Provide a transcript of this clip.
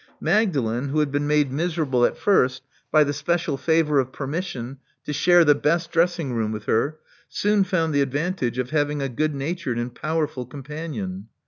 Magdalen, who had been made miserable at first by the special favor of permission to share the best dressing room with her, soon found the advantage of having a good natured and powerful companion.